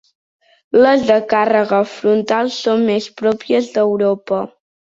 Les de càrrega frontal són més pròpies d'Europa.